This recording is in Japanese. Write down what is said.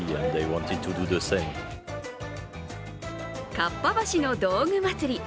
かっぱ橋の道具まつり。